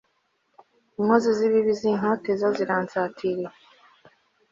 inkozi z'ibibi zintoteza ziransatiriye